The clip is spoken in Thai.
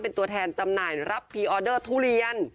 เป็นตัวแทนจำหน่ายรับพรีออเดอร์ทุเรียน